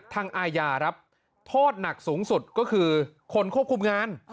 อาญาครับโทษหนักสูงสุดก็คือคนควบคุมงาน